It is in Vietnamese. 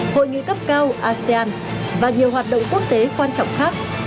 hội nghị cấp cao asean và nhiều hoạt động quốc tế quan trọng khác